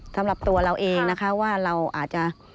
สำหรับตัวเราเองนะคะว่าเราอาจจะ